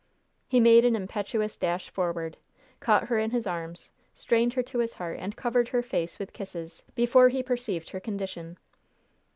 He made an impetuous dash forward, caught her in his arms, strained her to his heart, and covered her face with kisses, before he perceived her condition.